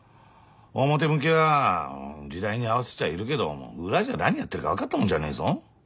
表向きは時代に合わせちゃいるけど裏じゃ何やってるか分かったもんじゃねえぞ。